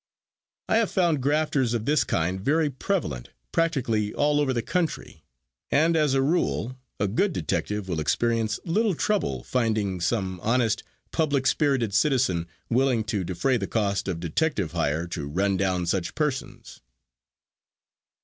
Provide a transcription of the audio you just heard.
I have found grafters of this kind very prevalent practically all over the country, and, as a rule, a good detective will experience little trouble finding some honest, public spirited citizen willing to defray the cost of detective hire to run down such persons.